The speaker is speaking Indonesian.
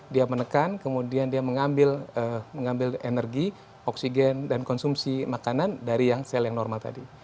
dia menekan kemudian dia mengambil energi oksigen dan konsumsi makanan dari yang sel yang normal tadi